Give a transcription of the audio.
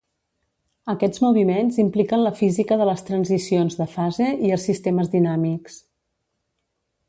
Aquests moviments impliquen la física de les transicions de fase i els sistemes dinàmics.